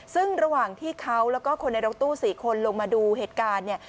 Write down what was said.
ซึ่งระหว่างที่เขาแล้วก็คนในรถตู้๔คนลงมาดูเหตุการณ์เนี่ย